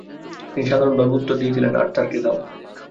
তিনি সাধারণভাবে উত্তর দিয়েছিলেন, ‘আর্থারকে দাও’।